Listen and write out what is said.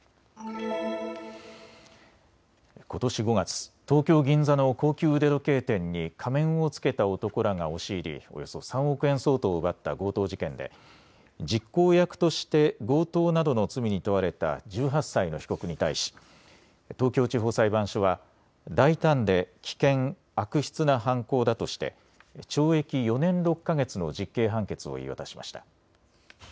ことし５月、東京銀座の高級腕時計店に仮面を着けた男らが押し入り、およそ３億円相当を奪った強盗事件で実行役として強盗などの罪に問われた１８歳の被告に対し東京地方裁判所は大胆で危険、悪質な犯行だとして懲役４年６か月の実刑判決を言い渡しました。